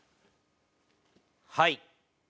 はい。